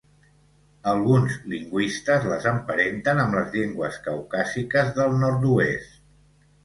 Alguns lingüistes les emparenten amb les llengües caucàsiques del nord-oest.